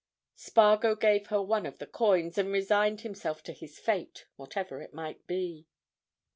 Spargo gave her one of the coins, and resigned himself to his fate, whatever it might be.